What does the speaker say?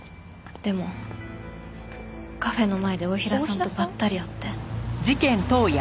でもカフェの前で太平さんとばったり会って。